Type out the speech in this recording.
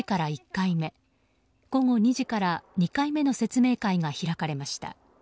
１回目午後２時から２回目の説明会が開かれました。